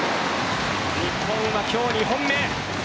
日本は今日２本目。